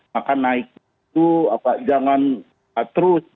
maka naiknya itu jangan terus